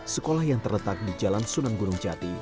sekolah yang terletak di jalan sunan gunung jati